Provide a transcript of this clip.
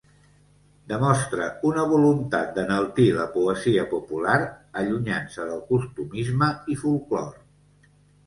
Demostra una voluntat d'enaltir la poesia popular allunyant-se del costumisme i folklore.